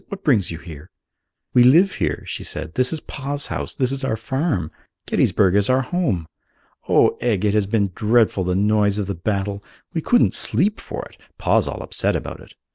What brings you here?" "We live here," she said. "This is Pa's house. This is our farm. Gettysburg is our home. Oh, Egg, it has been dreadful, the noise of the battle! We couldn't sleep for it. Pa's all upset about it.